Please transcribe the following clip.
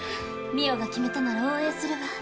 澪が決めたなら応援するわ。